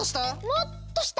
もっとした！